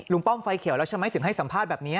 ป้อมไฟเขียวแล้วใช่ไหมถึงให้สัมภาษณ์แบบนี้